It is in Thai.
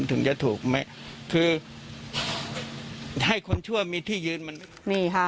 ถึงจะถูกไหมคือให้คนชั่วมีที่ยืนมันนี่ค่ะ